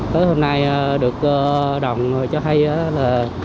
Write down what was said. tới hôm nay được đoàn cho thấy là